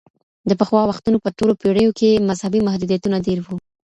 د پخوا وختونو په تورو پېړيو کي مذهبي محدوديتونه ډېر وو.